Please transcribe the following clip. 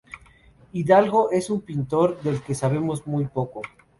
Hidalgo es un pintor del que sabemos muy poco.